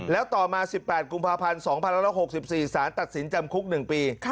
แล้วต่อมา๑๘กุมภาพันธ์๒๑๖๔สารตัดสินจำคุก๑ปี